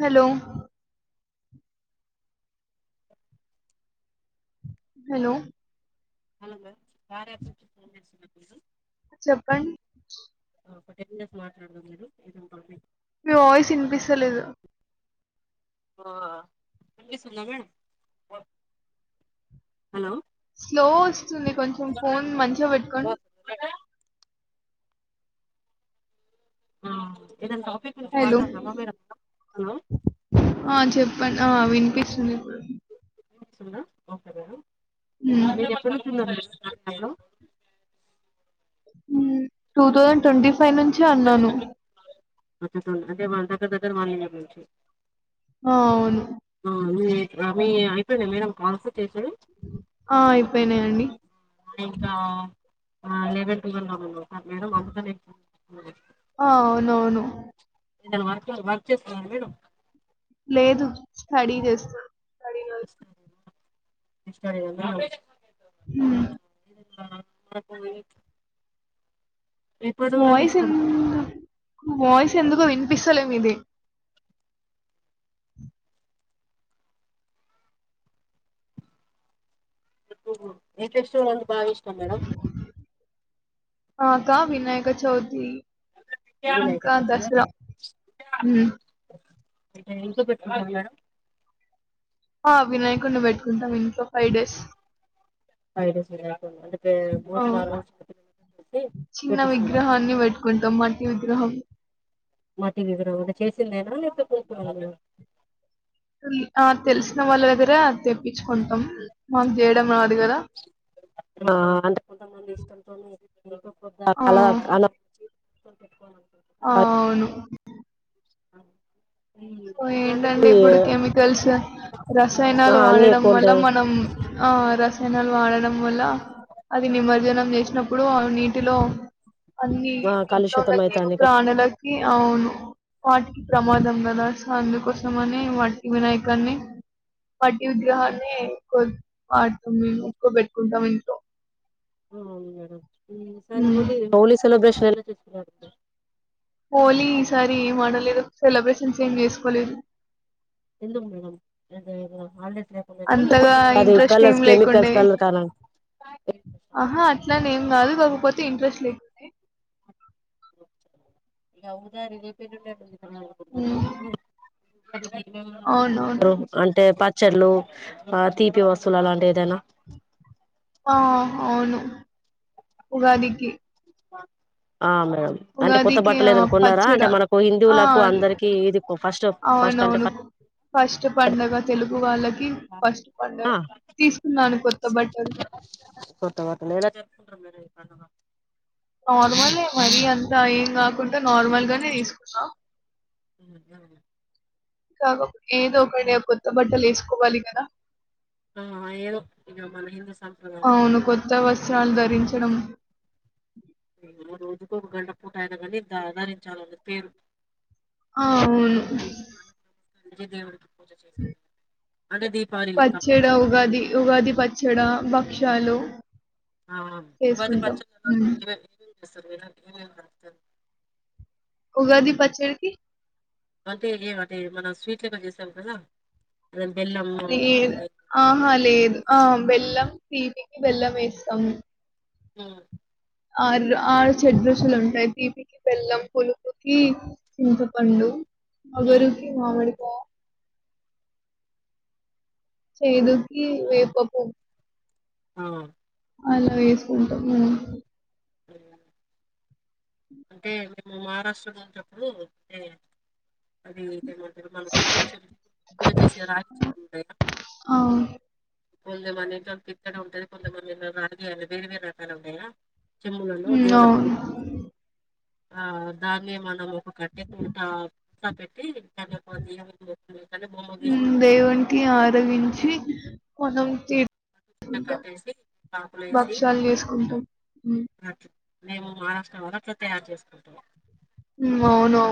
Hello hello [unintelligible] చెపన్ ఒక ten minutes మాట్లాడారా మీరు మీ వాయిస్ వినిపిస్తలేదు ఓ వినిపిస్తుందా మేడమ్ హలో స్లోస్ వస్తుంది కొంచెం ఫోన్ మంచిగా పెట్టుకొని ఆ ఇదంతా హలో హలో ఆ చెప్పండి ఆ వినిపిస్తుంది ఇప్పుడు వినిపిస్తుందా ఓకే మేడమ్ ఆ మీరు ఎప్పుడ్ నించ్ [unintelligible] హా హలో హ్మ్ టూ థౌజండ్ ట్వంటీ ఫైవ్ నుంచి అన్నాను. [unintelligible] అంటే మా దగ్గర్ దగ్గర్ [unintelligible] ఇయర్ నుంచి అవును ఆ మీక్ రాబోయే అయిపోయ్న్నాయా మేడం కాల్స్ టిఫిను ఆ అయిపోయినాయండి ఆ ఎలెవన్ టూవెల్ మాములు అ మేడం అబుతనేే నీక్ హ్మ్ ఆ అవును అవును ఏదైనా వర్క్ వర్క్ చేస్తున్నారా మీరు లేదు స్టడీ చేస్తా [inaudible] హు అహ్ మాక్ కూడా ఇయత్ వాయిస్ ఎందుకు వాయిస్ ఎందుకో వినిపిస్తలే ఇది ఆహా ఏ ఫెస్టివల్ బాగా ఇష్టం మేడం ఆ కా వినాయక చవుతి వీలైతే ఇంకా చేతన దసరా ఉ ఇంకా ఇంట్లో పెట్టుకున్నాడ ఆ వినాయకుడిని పెట్టుకుంటాం ఇంట్లో ఫైవ్ డేస్ ఫైవ్ డేసేనా ఓ చిన్న విగ్రహాన్ని పెట్టుకుంటాం మ ఈ విగ్రహం మట్టి విగ్రహం చేసిందేనా లేకపోతే ఆ తెలిసిన వాళ్ళ దగ్గర తెప్పించుకుంటాం మాకు చేయడం రాదు కదా కొన్ కొని లేకపోతే ఆ! అలా అలా వచ్చి కొన్ పెట్టుకోలా ఔను సో ఉగాదికి ఏంటంటే ఇప్పుడు కెమికల్స్ ఆ రసాయనాలు అన్ని వాడడం ఎక్కువ వల్ల ఉంటాయి మనం ఆ రసాయనాలు వాడడం వల్ల అది నిమజ్జనం చేసినప్పుడు నీటిలో అన్ని ఆ నీట్లో ఉన్న కలుషితం అయితాంది కదా జీవప్రాణులకి అవును వాటికి ప్రమాదం గదా అందుకోస్రమనే వట్టి వినాయకాన్ని మట్టి విగ్రహాన్ని ఎక్ వాడుతాం మేము ఎక్కువ పెట్టుకుంటాం ఇంట్లో మ్మ్ ఈసారి ఉమ్. హోలీ హోలీ సెలబ్రేషన్ ఎలా జరుపుకున్నారు మీరు హోలీ ఈసారి ఏం ఆడలేదు సెలబ్రేషన్స్ ఏం చేసుకోలేదు ఎందుకు మేడం [unintelligible] హాలీడేస్ లేకుండేనా అంతగా లేపోతే ఇంట్రెస్ట్ ఏం లేకుండే మేడం పోతే ఇంట్రెస్ట్ లేకుండే ఇంగ అవుదా రిలేటివ్స్ ఉన్నట్టుంది మ్మ్ తగ్గుతాయ్ రుమ్ అంటే పా చెర్లు ఆ తీపి వస్తువులు అలాంటి ఏదైనా ఆ అవును ఉగాదికి పా ఆ మేడం అంటే కొత్త ఉగాదికి బట్టలు ఆ, ఎదన్న కొన్నారా పచ్చడ అంటే మనకు ఆ హిందువులకు అందరికీ ఇది ఫస్ట్ ఫస్ట్ అంటే అవునవును ఫ [unintelligible] గు వాళ్ల ఆ కొత్త బట్టలు కొత్త బట్టలేల జరుపుకుంటాం మేడం ఈ పండుగ నార్మలే మరి అంత ఏం కాకుండా నార్మల్ గానే తీసుకున్న మ్మ్ హ్మ్ కాకప్ ఏదో ఒకడి కొత్త బట్టలు వేసుకోవాలి కదా ఆ ఏదో ఇంగ మళ్లీ హిందూ సాంప్రదాయం అవును. ప్రకారం కొత్త వస్త్రాలు ధరించడం. మ్మ్ [unintelligible] కోపు గంట పూటయిన కాని దధరించాలని పేరు అవును మంచి దేవుడు పూజ చేసాంగదండి అంటే దీపాళి లెక్క పచ్చడ, ఉగాది ఉగాది పచ్చడ భక్షాలు ఆ ఉగాది చేసుకుంటాం. పచ్చడ హ్మ్. ఇదే [inaudible] ఉగాది పచ్చడికి అంటే ఏ అంటే మన స్వీట్ లెక్క చేస్తాం కదా లేదు. ఆహా లేదు ఆ బెల్లం తీవి బెల్లం ఏస్తాము. హ్ మ్ ఆ ఆరు షడ్రుచులు ఉంటయి. తీపికి బెల్లం, పులుపుకి చింతపండు వరుకి మామిడి ప చేదుకి వేప పు ఆ అలా వేసుకుంటాము. అంటే మేము మహారాష్ట్రలో ఉన్నప్పుడు అంటే అది ఏంమంటరు మన పిత్తడి చెంబు పూజ చేసే రాజి చెంబు ఉంటాయా ఆ! మ పిత్తడ ఉంటది కొంతమంది రాగి అనే వేరు వేరు రకాలున్నయా చెమ్ములలో హ్మ్. దేవుల పూ అవును. ఆ దాన్నే మనము కట్టే పత పతా పెట్టి ద దియ్యే బొమ్మ హ్మ్. గీసినట్టు దేవునికి ఆరగించి మనం తీర్చుకుంటాం. కట్టేసి ఆకులేసి భక్షాలు చేసుకుంటాం. హ్మ్. మేము మహారాష్టలో గూడ అట్ల తయారు చేసుకుంటం మ్ అవునవును.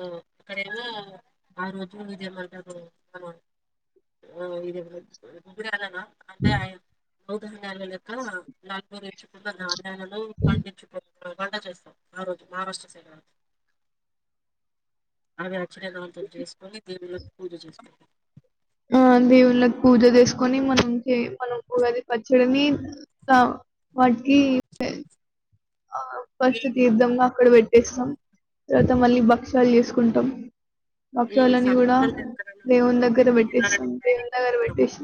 ఆ ఎక్కడైనా ఆ రోజు ఇదేమంటరు ఇది [inaudible] అంటే అయ అవుతది ఆ నల్గురి చెప్పుకొన్నావా [unintelligible] వంట చేస్తాం ఆ రోజు మహారాష్ట్ర సైడ్ అవి అచ్చర్ంగా అంత చేసుకొని దేవుళ్ళకు పూజ చేస్తము ఆ దేవుళ్ళకి పూజ చేసుకొని మనం చే మనం ఉగాది పచ్చడిని వాటికి ఆ ఫస్ట్ తీర్థంగా అక్కడ పెట్ టేస్తాం. తర్వాత మళ్ళీ భక్ష్యాల్ చేసుకుంటం. భక్షాలని గుడ దేవున్ దగ్గర పెట్టేస్తాం దేవుని దగ్గర పెట్టేసి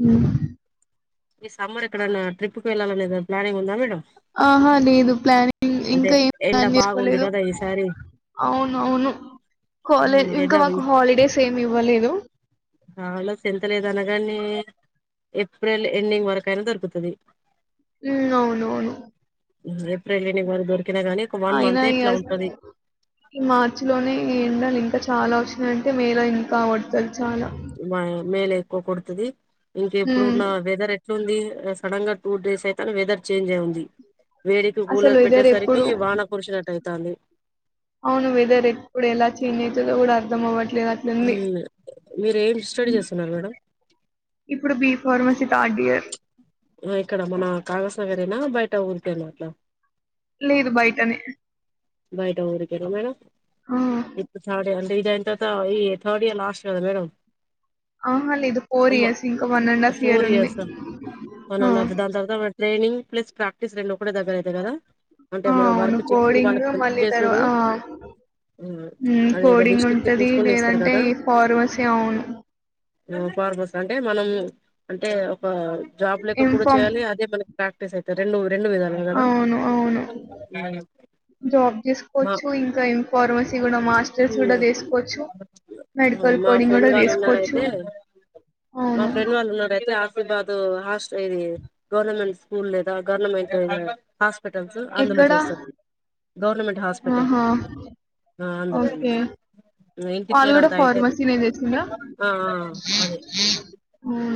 హ్ ఈ సమ్మర్ ఎక్కడన్నా ట్రిప్కి వెళ్ళాలనేది ప్లానింగ్ ఉందా మేడమ్ ఆహా లేదు ప్లానింగ్ ఇంకా ఏం ప్లాన్ చేసుకోలేదు. అవునవును కాలేజ్ ఇంకా మాకు హాలిడేస్ ఏం ఇవ్వలేదు. అలోస్ ఎంత లేద్ అన్నగాని ఏప్రిల్ ఎండింగ్ వరక్ అయినా దొరుకుతది. మ్ అవును. అవును ఏప్రిల్ వరక్ దొర్ అయినా ఈ మార్చి లోనే ఎండాలి ఇంకా చాలా అ అంటే మేల ఇంకా కొడతది చాలా. మా మేల ఒకు కొడుతుది ఇంక హ్మ్. ఎప్పుడున్న వెదర్ ఎట్లుంది సడన్ గా టూ డేస్ అయితేనే వెదర్ చేంజ్ అయి ఉంది వేడికి అసలు కూలర్ వెదర్ పెట్టేసరికి ఎప్పుడు వాన కుర్చినట్టయి తాలి అవును వెదర్ ఎపుడ్ ఎలా చేంజ్ అవుయితుదో కూడా అర్ధం అవట్ మ్ మీరు ఏం స్టడీ చేస్తున్నారు మేడం ఫర్మసి థర్డ్ ఇయర్ ఇక్కడ మన కాగ సగరేనా బయట ఊరితను అట్లా లేదు బయటనే బయట ఊరికడ మేడం ఆ! ఇప్పుడు సడ అం ఇది అంత అ ఈ థర్డ్ ఇయర్ లాస్ట్ ఇయర్ కదా మేడ ఆహ లేదు ఫోర్ ఇయర్స్ ఇంకా వన్ అండ్ హాఫ్ ఇయర్ ఉంది ఆ ట్రైనింగ్ ప్లస్ ప్రాక్టీస్ రెండు కూడా దగరా అయితది కదా అంటే ఆ మనం అవును వర్క్ చేసిన వాళ్ కోడింగ్ మళ్ళీ తర్వా అ మ్ కోడింగ్ ఉంటంది లేదంటే ఫార్మసీ అవును మ్ ఫార్మస్ అంటే మనం అంటే ఒక జాబ్ లెక కూడా ఇన్ఫామ్ చేయాలి అదే మనకి ప్రాక్టీస్ అయితే ర రెండు విధాలు కదా అవును అవును జాబ్ చేసుకోవచ్చు ఇంకా ఇన్ఫార్మసీ కూడా మాస్టర్స్ కూడా తీసుకోవచ్చు, మెడికల్ కోడింగ్ కూడా తీసుకోవచ్చు, అవును ఇది గవర్నమెంట్ స్కూల్ లేదా గవర్నమెంట్ హస్ టల్స్ అందులో ఎక్కడ చేస్తను గవర్నమెంట్ హాస్పిటల్ ఆహా అ అందులో ఓకే వాళ్ళు కూడా ఫార్మసీనే చేసిండ్రా ఆ అదే ఆ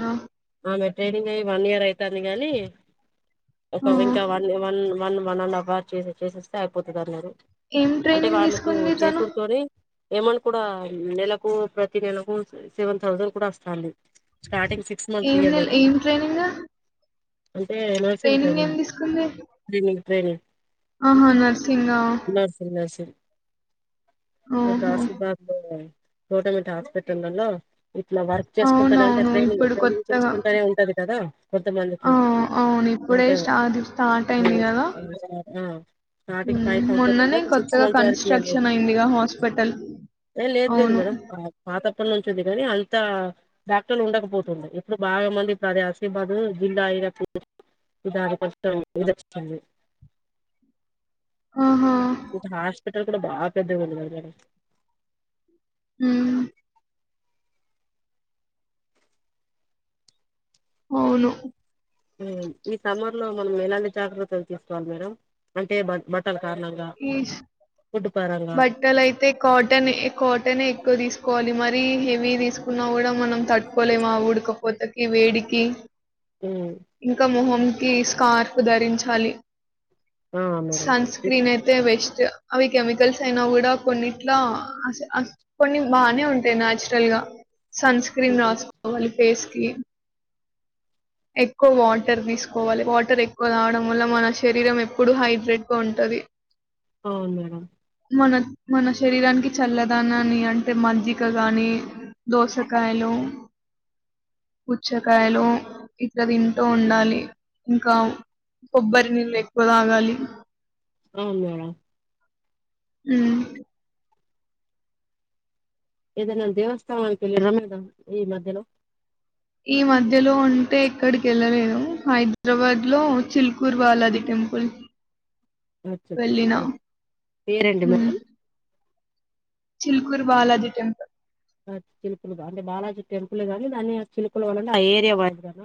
ఆమె ట్రైనింగ్ అయియ వన్ ఇయర్ అవుతుంది గానీ ఆ ఒక ఇంకా వన్ వన్ మన్న మ నాన్న వారు చేస చేసేస్తే అయిపోతుంది అన్నారు ఏం ట్రైనింగ్ తీసుకుంది తను ఏమను కూడా నెలకు ప్రతి నెలకు సెవెన్ థౌసండ్ కూడా వస్తాంది స్టార్టింగ్ ఏం నెల ఏం ట్రైనింగ్ అంటే యానివర్సరీ ట్రైనింగ్ ఏం కాదండి ఉ తీసుకుంది ట్రైనింగ్ ఆహా నర్సింగా అ ఓహో! ఆశీర్వాద లే తోటమెంట్ హాస్పిటలోనూ ఇట్లా వర్క్ చేసుకుంటానే అంటే అవునవును. ట్రైనింగ్ ఇప్పుడు ట్రైనింగ్ కొత్తగా చేసుకుంటనే ఉంటది కదా కొంతమందికి ఆ! అవును. ఇప్పుడే అంటే స్టా అది స్టార్ట్ అయింది గదా! ఆ స్టార్టింగ్ హ్మ్. ఫైవ్ థౌజండ్ మొన్ననే అండి సిక్స్ కొత్తగా మంత్స్ వరకు ఈయదు కన్‌స్ట్రక్షన్ అయిందిగా హాస్పిటల్. ఏ లేదు లేదు అవును. మేడం పాతప్పటి నుంచి ఉంది అంత డాక్టర్లు ఉండకపోతుంది ఇప్పుడు బాగా మంది కదు అది ఆశీర్బాద్ జిల్లా అయినప్పుడు [unintelligible] ఆహా ఇటు హాస్పిటల్ ఇక్కడ బాగా పెద్ద ఉంది కదా మేడం ఉ అవును ఉ ఈ సమ ఇంట్లో మనం ఎలాంటి జాగ్రత్తలు తీసుకోవాలి మేడం అంటే బ బట్టలు ఈ బట్టలు అయితే కాటన్ కాటనే ఎక్కువ తీసుకోవాలి మరి మరీ హెవీ తీసుకున్నా కూడా మనం తట్టుకోలేము ఆ ఉడకపోతకి వేడికి ఇంకా మొహం కి స్కార్ఫ్ ధరించాలి ఆ మేడం సన్ స్క్రీన్ అయితే బెస్ట్ అవి కెమికల్స్ అయినా కూడా కొన్నిట్లా అస్ అస కొన్ని బానే ఉంటాయి నాచురల్ గా సన్స్క్రీన్ రాస్కోవాలి ఫేస్కి ఎక్కువ వాటర్ తీసుకోవాలి వాటర్ ఎక్కువ తాగడం వల్ల మన శరీరం ఎప్పుడు హైడ్రేట్గా ఉంటది అవును మేడం మనం మన శరీరానికి చల్లదనాన్ని అంటే మజ్జిగ కాని దోసకాయలు, పుచ్చకాయలు ఇట్ల తింటూ ఉండాలి. ఇంకా కొబ్బరి నీళ్ళు ఎక్కువ తాగాలి. అవును మేడం ఊ ఏదైనా దేవస్థానానికి వెళ్లిర మేడం ఈ మధ్యలో ఈ మధ్యలో అంటే ఎక్కడికి వెళ్ళలేదు హైదరాబాద్ లో చిల్కూర్ బాలాజి టెంపుల్ అచ్చచ్చ వెళ్ళినా పేరెంటి మేడం చిల్కూర్ బాలాజీ టెంపుల్ చిలుకులుగా అంటే బాలాజీ టెంపుల్ గాని దాన్ని ఆ చిలుకుల వలనే ఆ ఏరియా వయి కదా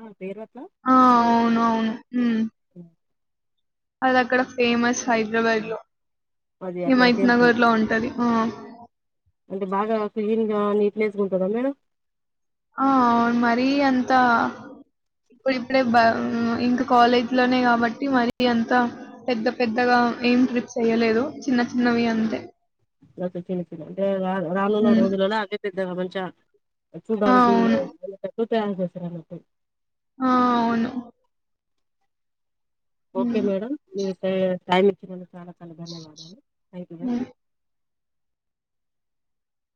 ఆ అవును అవును మ్ అది అక్కడ ఫేమస్ హైదరాబాద్ లో హిమైత్ నగర్ లో ఉంటది ఆ అంటే బాగా క్లీన్ గా నీట్నెస్గా ఉంటుందా మేడం ఆ అవును మరీ అంతా ఇప్పుడు ఇప్పుడే బ, ఇంకా కాలేజ్ లోనే కాబట్టి మరి అంతా పెద్ద పెద్దగా ఏం ట్రిప్స్ ఏయలేదు చిన్న చిన్నవి అంతే ఓకే చిన్న చిన్నవి అంటే రా రానునా హ్మ్. రోజులల అవే [unintelligible] ఆ! చూడ్డానికి [inaudible] అవును. [unintelligible] ఆ అవును ఓకే హ్మ్. మేడం [unintelligible] టైమ్ ఇచ్చినందుకు చాలా చాలా ధన్యవాదాలు థాంక్యూ మ్యామ్ హ్మ్.